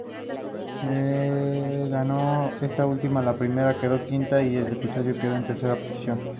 Ganó esta última, la primera quedó quinta y este episodio quedó en tercera posición.